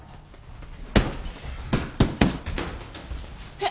えっ。